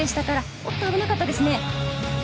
おっと、危なかったですね。